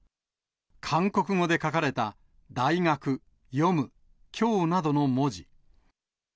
韓国語で書かれた、大学、読む、きょうなどの文字。